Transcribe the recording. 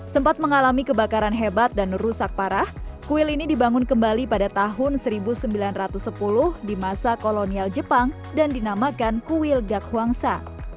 sempat mengalami kebakaran hebat dan rusak parah kuil ini dibangun kembali pada tahun seribu sembilan ratus sepuluh di masa kolonial jepang dan dinamakan kuil gakwangsa